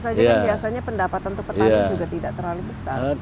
biasanya pendapatan petani juga tidak terlalu besar